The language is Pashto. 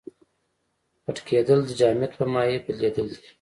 خټکېدل د جامد په مایع بدلیدل دي.